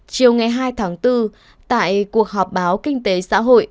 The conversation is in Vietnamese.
chiều ngày hai tháng bốn tại cuộc họp báo kinh tế xã hội